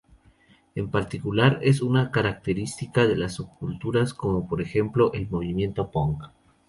En particular es una característica de las subculturas como por ejemplo el movimiento punk.